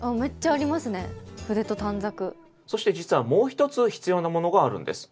そして実はもう一つ必要なものがあるんです。